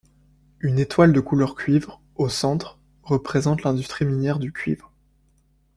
Une étoile de couleur cuivre, au centre, représente l'industrie minière du cuivre.